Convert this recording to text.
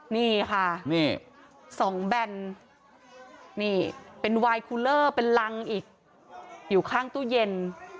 นี่ค่ะนี่๒แบนนี่เป็นวายคูเลอร์เป็นรังอีกอยู่ข้างตู้เย็น